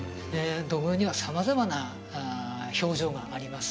土偶には様々な表情があります